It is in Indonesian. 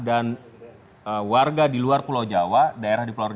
ini terjadi di kebanyakan di pulau jawa dan warga di luar pulau jawa